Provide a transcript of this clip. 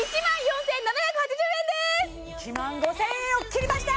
１万５０００円を切りました！